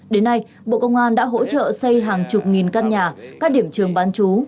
đến nay bộ công an đã hỗ trợ xây hàng chục nghìn căn nhà các điểm trường bán chú